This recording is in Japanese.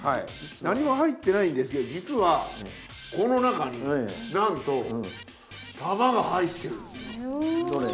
何も入ってないんですけど実はこの中になんと玉が入ってるんですよ。